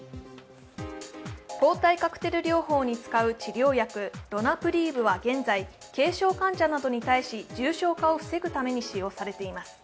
抗体カクテル療法に使う治療薬、ロナプリーブは現在軽症患者などに対し重症化を防ぐために使用されています。